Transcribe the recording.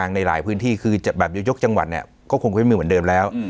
ยางในหลายพื้นที่ยกจังหวัดก็คงไม่เหมือนเดิมแล้ว